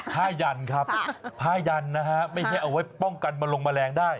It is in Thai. ยันครับผ้ายันนะฮะไม่ใช่เอาไว้ป้องกันมาลงแมลงได้